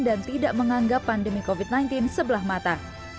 tidak menganggap pandemi covid sembilan belas sebelah mata